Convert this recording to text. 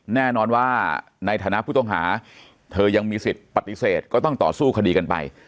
แน่นอนว่าในฐานะผู้ต้องหาเธอยังมีสิทธิ์ปฏิเสธก็ต้องต่อสู้คดีกันไป